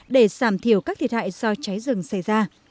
để giảm thiểu các thiệt hại do cháy rừng xảy ra